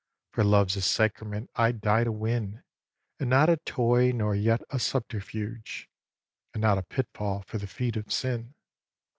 For love's a sacrament I'd die to win, And not a toy nor yet a subterfuge; And not a pitfall for the feet of sin.